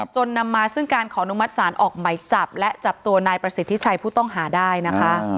จนนำมาซึ่งการขอนุมัติศาลออกไหมจับและจับตัวนายประสิทธิชัยผู้ต้องหาได้นะคะ